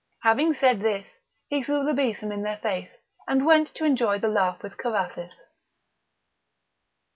Having said this, he threw the besom in their face, and went to enjoy the laugh with Carathis.